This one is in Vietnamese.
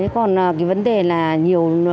còn cái vấn đề là nhiều